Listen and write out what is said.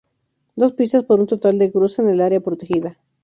Dos pistas por un total de cruzan el área protegida.